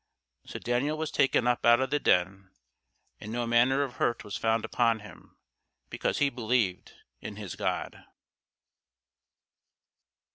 So Daniel was taken up out of the den, and no manner of hurt was found upon him, because he believed in his God.